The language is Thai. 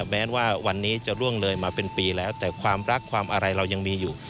แม้ว่าวันนี้จะร่วงเลยมาเป็นปีแล้วแต่ความรักความอะไรเรายังมีอยู่